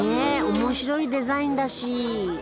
面白いデザインだし。